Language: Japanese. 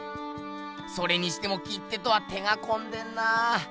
それにしても切手とは手がこんでんなぁ。